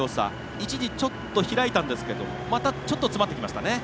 一時、ちょっと開いたんですがまた詰まってきました。